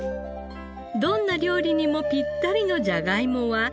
どんな料理にもぴったりのじゃがいもは。